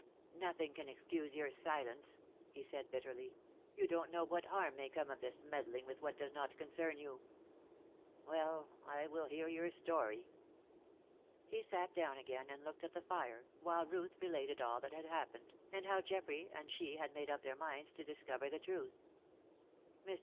"Nothing can excuse your silence," he said, bitterly. "You don't know what harm may come of this meddling with what does not concern you. Well, I will hear your story." He sat down again and looked at the fire, while Ruth related all that had happened, and how Geoffrey and she had made up their minds to discover the truth. Mr.